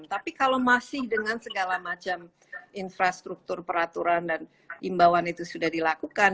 tapi kalau masih dengan segala macam infrastruktur peraturan dan imbauan itu sudah dilakukan